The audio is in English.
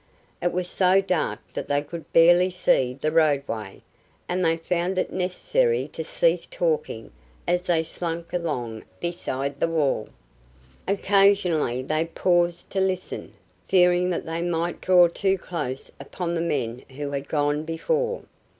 It was so dark that they could barely see the roadway, and they found it necessary to cease talking as they slunk along beside the wall. Occasionally they paused to listen, fearing that they might draw too close upon the men who had gone before.